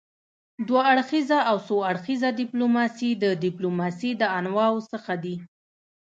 دوه اړخیزه او څو اړخیزه ډيپلوماسي د ډيپلوماسي د انواعو څخه دي.